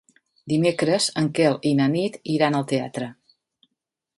Dimecres en Quel i na Nit iran al teatre.